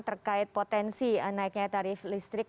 terkait potensi naiknya tarif listrik